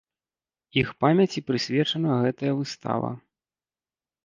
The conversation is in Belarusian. Іх памяці прысвечана гэта выстава.